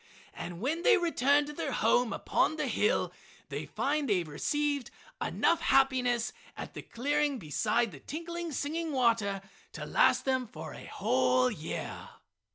And when they return to their home upon the hill they find they have received enough happiness at the clearing beside the tinkling, singing water to last them for a whole year.